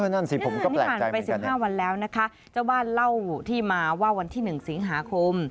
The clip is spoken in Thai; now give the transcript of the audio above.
นี่ผ่านไป๑๕วันแล้วนะคะเจ้าบ้านเล่าว่าวันที่๑สิงหาคม